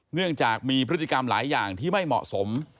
เนื่องจากมีพฤติกรรมหลายอย่างที่ไม่เหมาะสม